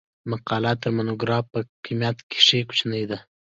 مقاله تر مونوګراف په کمیت کښي کوچنۍ ده.